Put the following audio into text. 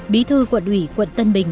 bí thư quận ủy quận tân bình